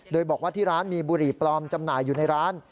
โดยบอกว่าที่ร้านมีบุหรี่ปลอมจำหน่ายอยู่ในร้าน